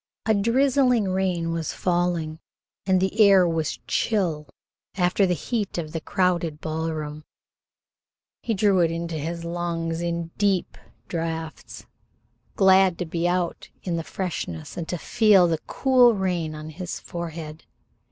A drizzling rain was falling, and the air was chill after the heat of the crowded ballroom. He drew it into his lungs in deep draughts, glad to be out in the freshness, and to feel the cool rain on his forehead.